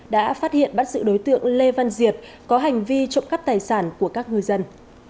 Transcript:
đã phát hiện bắt giữ đối tượng lê văn diệp có hành vi trộm cắp tài sản của các người dân